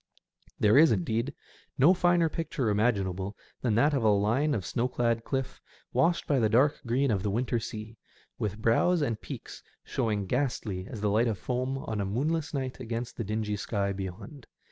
There is, indeed, no finer picture imaginable than that of a line of snow clad cliff, washed by the dark green of the winter sea, with brows and peaks showing ghastly as the light of foam on a moonless night against the dingy sky beyond.